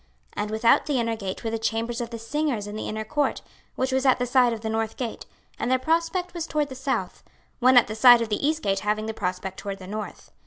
26:040:044 And without the inner gate were the chambers of the singers in the inner court, which was at the side of the north gate; and their prospect was toward the south: one at the side of the east gate having the prospect toward the north.